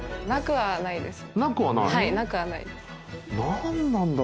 はいなくはないです。